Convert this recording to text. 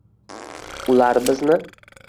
Ular bizni